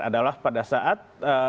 adalah pada saat